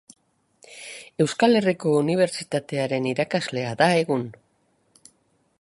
Euskal Herriko Unibertsitatearen irakaslea da egun.